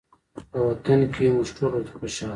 په وطن کې یو موږ ټول ورته خوشحاله